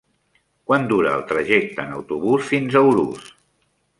Quant dura el trajecte en autobús fins a Urús?